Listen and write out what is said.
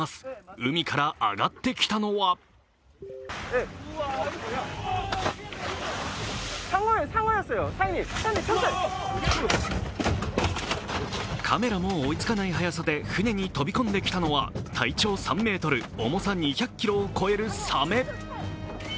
海からあがってきたのはカメラも追いつかない速さで船に飛び込んできたのは体長３ｍ、重さ２００ｋｇを超えるサメ。